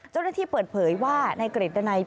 เจ้าหน้าที่เปิดเผยว่านายกฤตนัย